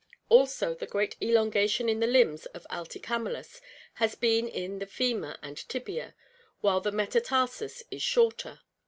Also the great elongation in the limbs of Allicamelus has been in the femur and tibia, while the metatarsus is shorter.